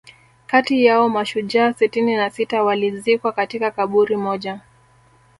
kati yao mashujaa sitini na sita walizikwa katika kaburi moja